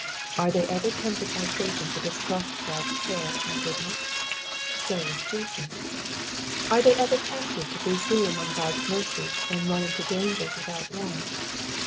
Are they ever tempted by Satan to MATTHEW, CHAP. IV. 27 distrust God ^ care_a iid goodness •? So was Jesus. — ^Are they ev3r tempted to pre gume on God's mercy, and run into danger without warrant